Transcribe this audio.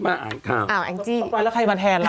อ้าวหละใครมาแทนล่ะ